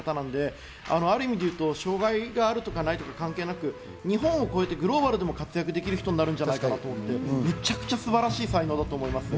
言葉を使わない、表情だけで物語を伝える方なので、ある意味でいうと障害があるとかないとか関係なく日本を超えて、グローバルでも活躍できる人になるんじゃないかと思ってめちゃくちゃ素晴らしい才能だと思います。